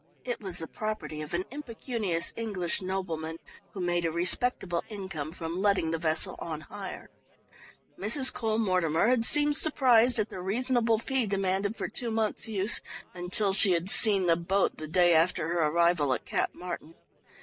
It was the property of an impecunious English nobleman who made a respectable income from letting the vessel on hire. Mrs. Cole Mortimer had seemed surprised at the reasonable fee demanded for two months' use until she had seen the boat the day after her arrival at Cap Martin.